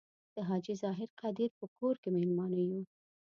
د حاجي ظاهر قدیر په کور کې میلمانه یو.